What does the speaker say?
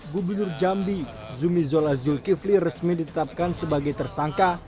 gubernur jambi zul kivli resmi ditetapkan sebagai tersangka